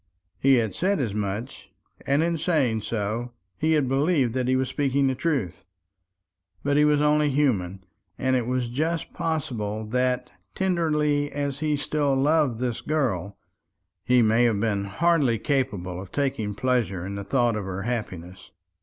He had said as much; and in saying so, he had believed that he was speaking the truth. But he was only human; and it is just possible that, tenderly as he still loved this girl, he may have been hardly capable of taking pleasure in the thought of her happiness.